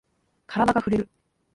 カラダがふれる。